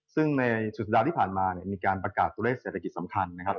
ซึ่งในสุดสัปดาห์ที่ผ่านมาเนี่ยมีการประกาศตัวเลขเศรษฐกิจสำคัญนะครับ